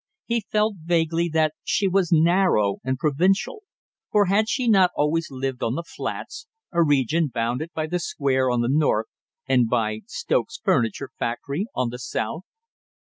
He felt vaguely that she was narrow and provincial; for had she not always lived on the flats, a region bounded by the Square on the north and by Stoke's furniture factory on the south?